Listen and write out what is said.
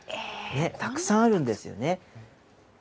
たくさんあるんですよね。